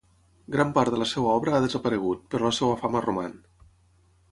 Gran part de la seva obra ha desaparegut, però la seva fama roman.